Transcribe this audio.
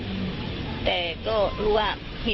เพราะไม่เคยถามลูกสาวนะว่าไปทำธุรกิจแบบไหนอะไรยังไง